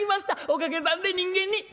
おかげさんで人間に。